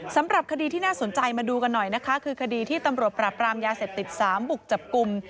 สำหรับคดีที่น่าสนใจมาดูกันหน่อยนะคะคือคดีที่ตำรวจปราบรามยาเสพติด๓บุกจับกลุ่ม